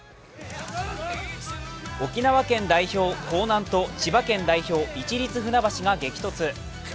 沖縄県代表・興南と千葉県代表・市立船橋が激突。